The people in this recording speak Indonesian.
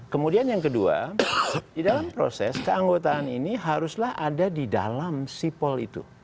kemudian yang kedua di dalam proses keanggotaan ini haruslah ada di dalam sipol itu